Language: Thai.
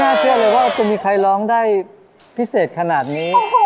เชื่อเลยว่าจะมีใครร้องได้พิเศษขนาดนี้